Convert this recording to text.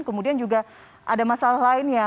kemudian juga ada masalah lainnya